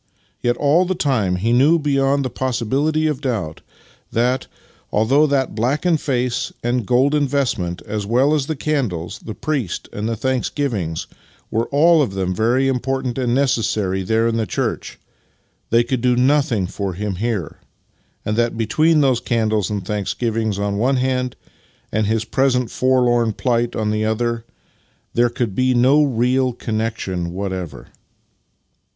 Yet all the time he knew beyond the possibility of doubt that, although that blackened face and golden vestment, as well as the candles, the priest, and the thanksgivings, were all of them very important and necessary there in the church, they could do nothing for him here, and that between those candles and thanksgivings on tlie one hand, and his present forlorn plight on the other, tliei'e could be no real connection whatever.